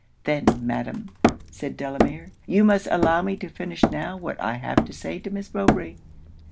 'Then, madam,' said Delamere, 'you must allow me to finish now what I have to say to Miss Mowbray.'